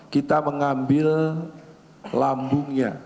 kita mengambil lambungnya